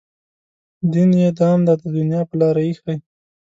دین یې دام دی د دنیا په لاره ایښی.